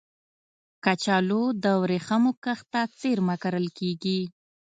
کچالو د ورېښمو کښت ته څېرمه کرل کېږي